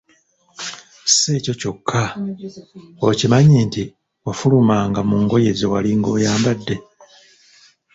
Si ekyo kyokka, okimanyi nti, “ wafulumanga” mu ngoye zewalinga oyambadde ?